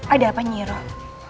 ada apa nyiiroh